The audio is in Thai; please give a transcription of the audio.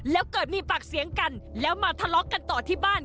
แล้วเกิดมีปากเสียงกันแล้วมาทะเลาะกันต่อที่บ้าน